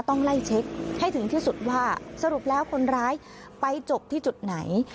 ต้องไล่เช็คให้ถึงที่สุดว่าสรุปแล้วคนร้ายไปจบที่จุดไหน